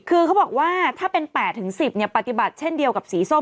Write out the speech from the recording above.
คือเขาบอกว่าถ้าเป็น๘๑๐ปฏิบัติเช่นเดียวกับสีส้ม